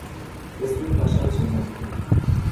به سوی کاشان شتافتیم.